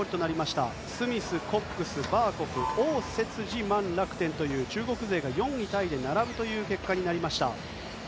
スミス、コックス、バーコフオウ・セツジマン・ラクテンという中国勢が４位タイで並ぶという結果になりました。